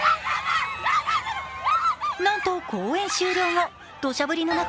なんと公演終了後、雨の中、